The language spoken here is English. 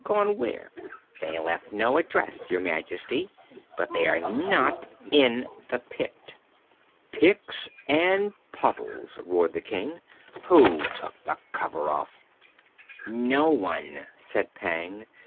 "Gone where?" "They left no address, Your Majesty; but they are not in the pit." "Picks and puddles!" roared the King; "who took the cover off?" "No one," said Pang.